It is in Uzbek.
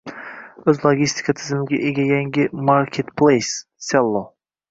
O‘z logistika tizimiga ega yangi marketpleys — Sello